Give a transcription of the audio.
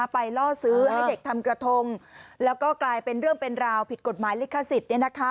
ล่อซื้อให้เด็กทำกระทงแล้วก็กลายเป็นเรื่องเป็นราวผิดกฎหมายลิขสิทธิ์